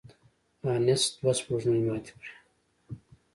انیسټ دوه سپوږمۍ ماتې کړې.